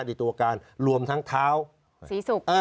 ในตัวการรวมทั้งเท้าสีสุก